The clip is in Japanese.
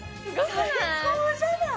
最高じゃない？